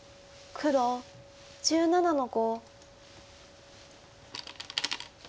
黒１７の三。